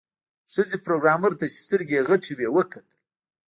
ښځې پروګرامر ته چې سترګې یې غټې وې وکتل